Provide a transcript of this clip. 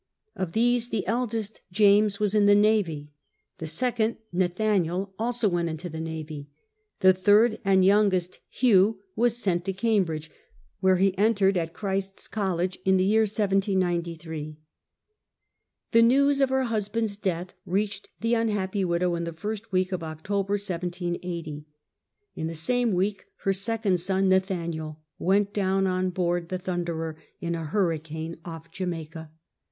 Of these the eldest, James, was in the navy. The second, Nathaniel, also went into the navy. The third and youngest, Hugh, was sent to Cambridge, where he entered at Christ's College in the year 1793. The news of her husband's death reached the unhappy widow in the first week of October 1780. In the same week her second son Nathaniel went down on board the Thunderer in a hurricane off Jamaica.